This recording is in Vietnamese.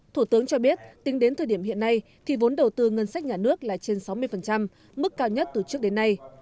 thủ tướng cho biết tính đến thời điểm hiện nay thì vốn đầu tư ngân sách nhà nước là trên sáu mươi mức cao nhất từ trước đến nay